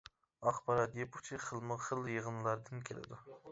ئاخبارات يىپ ئۇچى خىلمۇ خىل يىغىنلاردىن كېلىدۇ.